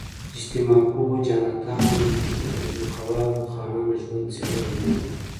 اجتماع پوه جاناتان وی د ځمکوالو خانانو ژوند څېړلی دی.